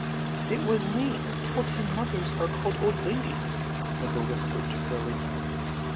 "It was me told him mothers are called old lady," Michael whispered to Curly.